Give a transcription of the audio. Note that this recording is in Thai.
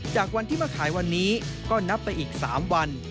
จากวันที่มาขายวันนี้ก็นับไปอีก๓วัน